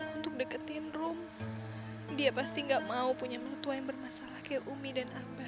untuk deketin rum dia pasti gak mau punya mertua yang bermasalah kayak umi dan abah